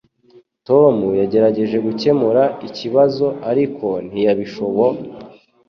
Tom yagerageje gukemura ikibazo ariko ntiyabishobo